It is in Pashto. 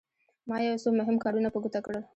ما یو څو مهم کارونه په ګوته کړل.